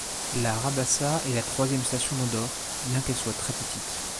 La Rabassa est la troisième station d'Andorre bien qu'elle soit très petite.